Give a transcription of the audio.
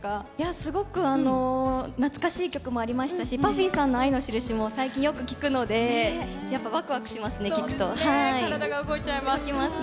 すごく懐かしい曲もありましたし、パフィーさんの愛のしるしも最近、よく聴くので、やっぱわくわくし体が動いちゃいますね。